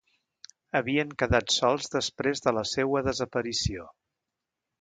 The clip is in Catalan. Havien quedat sols després de la seua desaparició.